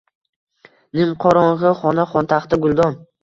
Nimqorongʼi xona, xontaxta, guldon.